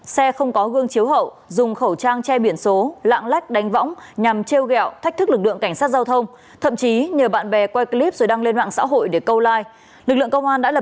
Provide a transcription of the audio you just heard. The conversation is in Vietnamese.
xe không có gương chiếu hậu dùng khẩu trang che biển số lạng lách đánh võng nhằm kêu gẹo thách thức lực lượng cảnh sát giao thông thậm chí nhờ bạn bè quay clip rồi đăng lên mạng xã hội để câu like